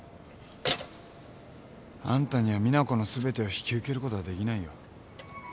あんたには実那子のすべてを引き受けることはできないよ。